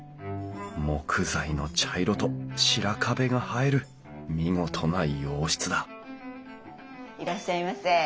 木材の茶色と白壁が映える見事な洋室だいらっしゃいませ。